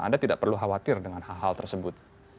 anda tidak perlu khawatir dengan hal hal tersebut